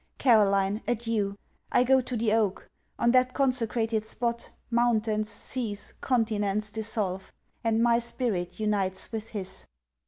Caroline, adieu! I go to the oak. On that consecrated spot, mountains, seas, continents dissolve, and my spirit unites with his!